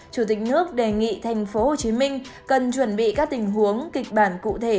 chủ tịch nước đề nghị tp hcm cần chuẩn bị các tình huống kịch bản cụ thể